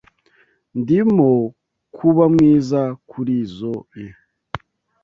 Ndimo kuba mwiza kurizoi.